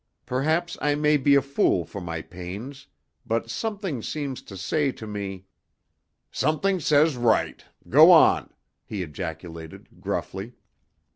Perhaps I may be a fool for my pains; but something seems to say to me " "Something says right. Go on!" he ejaculated, gruffly.